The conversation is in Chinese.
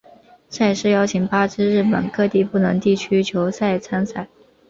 赛事邀请八支日本各地不同地区球队参赛。